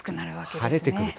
晴れてくると。